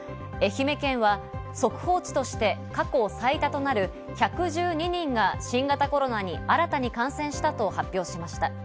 愛媛県は速報値として過去最多となる１１２人が新型コロナに新たに感染したと発表しました。